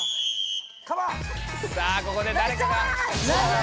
さあここでだれかが。